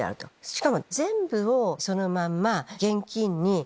しかも全部をそのまんま。